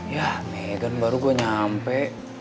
yah megan baru gue nyampe